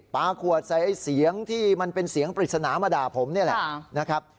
ปลาขวดใส่ไอ้เสียงที่มันเป็นเสียงปริศนามาด่าผมนี่แหละนะครับ